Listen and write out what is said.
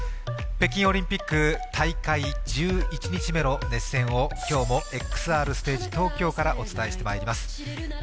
北京オリンピック大会１１日目の熱戦を今日もＸＲステージ東京からお伝えしていきます。